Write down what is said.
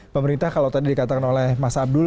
pemerintah kalau tadi dikatakan oleh mas abdul